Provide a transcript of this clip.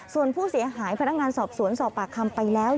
ส่วนผู้เสียหายพนักงานสอบสวนสอบปากคำไปแล้ว